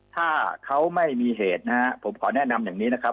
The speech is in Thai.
ถ้าเขาไม่มีเหตุนะฮะผมขอแนะนำอย่างนี้นะครับ